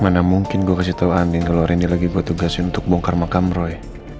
mana mungkin gue kasih tau randy kalo randy lagi buat tugasin untuk bongkar makam roy